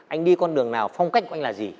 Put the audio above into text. anh đi con đường nào phong cách của anh là gì